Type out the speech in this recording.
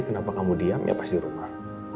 kenapa kamu diam ya pas di rumah